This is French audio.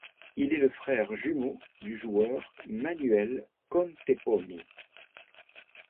Il est le frère jumeau du joueur Manuel Contepomi.